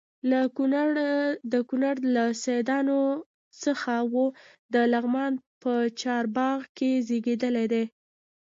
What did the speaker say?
د کونړ له سیدانو څخه و د لغمان په چارباغ کې زیږېدلی دی.